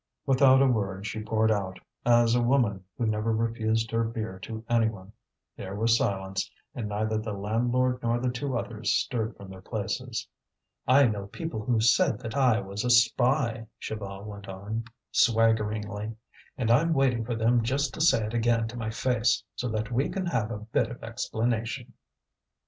Without a word she poured out, as a woman who never refused her beer to any one. There was silence, and neither the landlord nor the two others stirred from their places. "I know people who've said that I was a spy," Chaval went on swaggeringly, "and I'm waiting for them just to say it again to my face, so that we can have a bit of explanation."